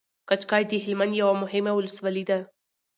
کجکی د هلمند يوه مهمه ولسوالي ده